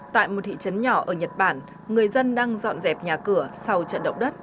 tại một thị trấn nhỏ ở nhật bản người dân đang dọn dẹp nhà cửa sau trận động đất